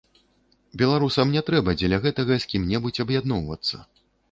Беларусам не трэба дзеля гэтага з кім-небудзь аб'ядноўвацца.